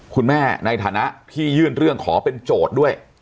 ในฐานะที่ยื่นเรื่องขอเป็นโจทย์ด้วย